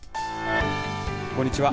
こんにちは。